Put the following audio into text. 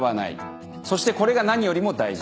そしてこれが何よりも大事。